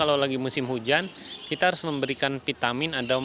kalau lagi musim hujan kita harus memberikan vitamin untuk kebun binatang bandung